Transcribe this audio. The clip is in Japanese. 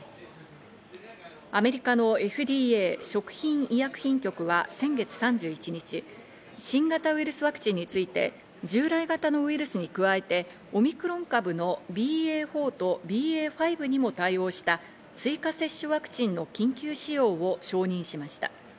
アメリカのＦＤＡ＝食品医薬品局が先月３１日、新型ウイルスワクチンについて従来型のウイルスに加えてオミクロン株のＢＡ．４とＢＡ．５にも対応した追加接種ワクチンの緊急使用を承認しました。